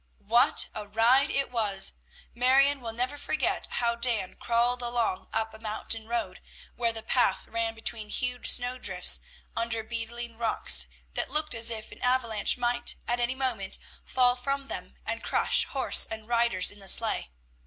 What a ride it was! Marion will never forget how Dan crawled along up a mountain road, where the path ran between huge snow drifts, under beetling rocks that looked as if an avalanche might at any moment fall from them and crush horse and riders in the sleigh.